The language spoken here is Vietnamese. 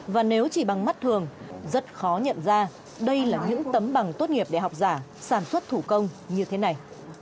và nếu chỉ bằng mắt thường rất khó nhận ra đây là những tấm bằng tốt nghiệp để học giả sản xuất thủ công như thế này